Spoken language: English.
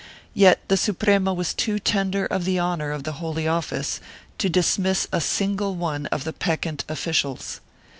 Yet the Suprema was too tender of the honor of the Holy Office to dismiss a single one of the peccant officials.